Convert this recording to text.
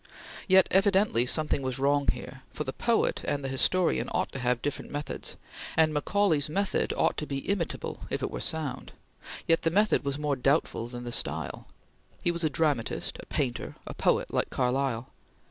Yet evidently something was wrong here, for the poet and the historian ought to have different methods, and Macaulay's method ought to be imitable if it were sound; yet the method was more doubtful than the style. He was a dramatist; a painter; a poet, like Carlyle.